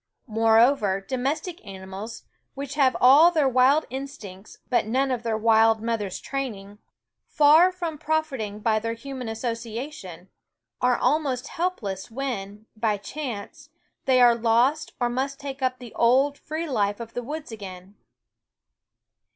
More over, domestic animals, which have all their wild instincts but none of the wild mother's 9 SCSfOOL OF ~ training, far from profiting by their human O ff Vt&v assoc i a ti n > are a l m st helpless when, by School cnanc e> they are lost or must take up the old, free life of the woods again.